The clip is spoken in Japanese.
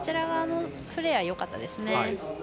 フレアよかったですね。